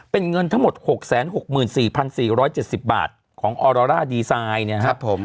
เป็นเงินทั้งหมด๖๖๔๔๗๐บาทของออร่าดีไซน์นะครับผม